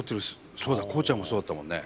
そうだコウちゃんもそうだったもんね。